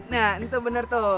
nah itu bener tuh